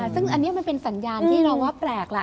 ซึ่งอันนี้อาจารย์ที่เราว่าเปลดล่ะ